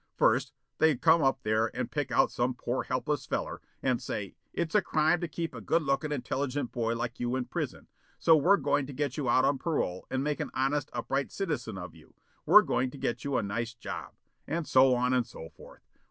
First, they come up there and pick out some poor helpless feller and say 'it's a crime to keep a good lookin', intelligent boy like you in prison, so we're going to get you out on parole and make an honest, upright citizen of you. We're going to get you a nice job', and so on and so forth.